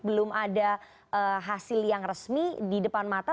belum ada hasil yang resmi di depan mata